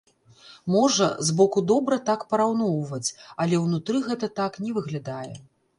Можа, збоку добра так параўноўваць, але ўнутры гэта так не выглядае.